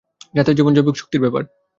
জাতীয় জীবন জৈবিক শক্তির ব্যাপার।